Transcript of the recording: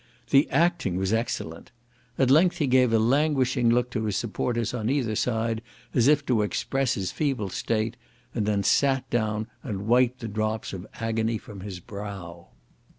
The acting was excellent. At length he gave a languishing look to his supporters on each side, as if to express his feeble state, and then sat down, and wiped the drops of agony from his brow.